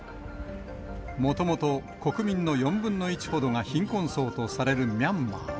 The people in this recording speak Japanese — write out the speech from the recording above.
もともと国民の４分の１ほどが貧困層とされるミャンマー。